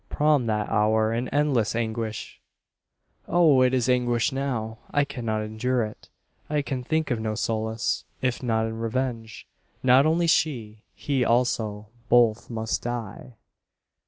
Prom that hour an endless anguish! "Oh! it is anguish now! I cannot endure it. I can think of no solace if not in revenge. Not only she, he also both must die!